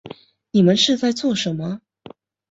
你们是在做什么